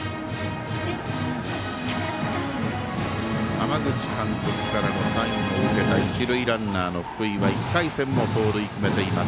浜口監督からのサインを受けた一塁ランナーの福井は１回戦も盗塁を決めています。